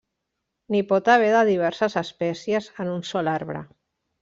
N'hi pot haver de diverses espècies en un sol arbre.